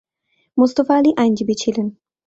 মোস্তফা আলী আইনজীবী ছিলেন।